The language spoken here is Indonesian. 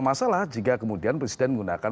masalah jika kemudian presiden menggunakan